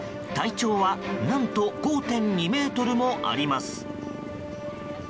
体長は何と５．２ｍもあります。